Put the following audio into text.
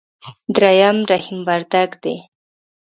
درېم رحيم وردګ دی.